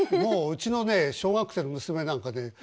もううちのね小学生の娘なんかね